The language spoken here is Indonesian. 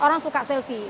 orang suka selfie